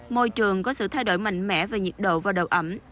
môi trường có sự thay đổi mạnh mẽ về nhiệt độ và độ ẩm